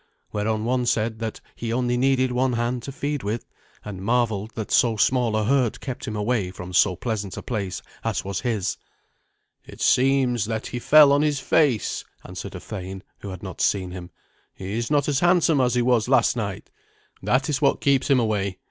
Whereon one said that he only needed one hand to feed with, and marvelled that so small a hurt kept him away from so pleasant a place as was his. "It seems that he fell on his face," answered a thane who had seen him. "He is not as handsome as he was last night. That is what keeps him away.